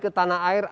ke tanah air